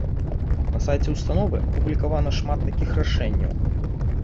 На сайце ўстановы апублікавана шмат такіх рашэнняў.